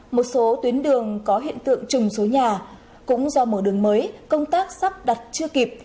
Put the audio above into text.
một số tuyến đường có hiện tượng trùng số nhà cũng do mở đường mới công tác sắp đặt chưa kịp